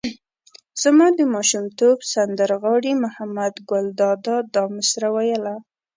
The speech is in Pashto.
زما د ماشومتوب سندر غاړي محمد ګل دادا دا مسره ویله.